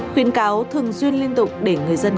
khuyến cáo thường duyên liên tục để người dân